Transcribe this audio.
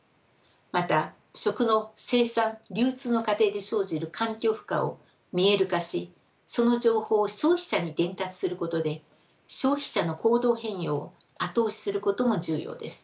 また食の生産流通の過程で生じる環境負荷を見える化しその情報を消費者に伝達することで消費者の行動変容を後押しすることも重要です。